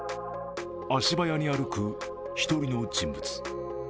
足早に歩く１人の人物。